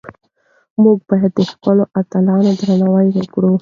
موږ باید د خپلو اتلانو درناوی وکړو.